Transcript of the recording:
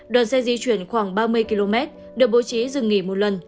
đoàn xe di chuyển khoảng ba mươi km được bố trí dừng nghỉ một lần